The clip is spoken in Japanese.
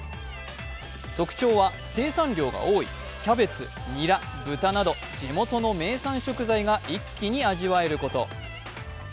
特徴は生産量が多い、キャベツ、ニラ、豚など地元の名産食材が一気に味わえること。